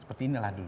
seperti inilah dulu